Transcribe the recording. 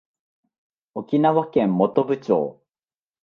沖縄県本部町